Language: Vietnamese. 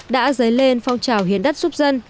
đã dấy lên phong trào hiến đất giúp dân